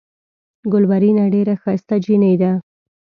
ګلورينه ډېره ښائسته جينۍ ده۔